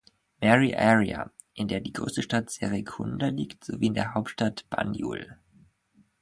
Mary Area, in der die größte Stadt Serekunda liegt, sowie in der Hauptstadt Banjul.